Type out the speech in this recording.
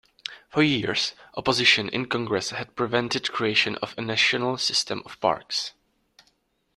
For years, opposition in Congress had prevented creation of a national system of parks.